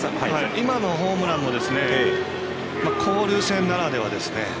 今のホームランも交流戦ならではですね。